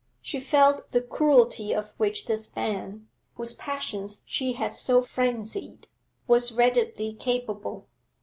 She felt the cruelty of which this man, whose passions she had so frenzied, was readily capable.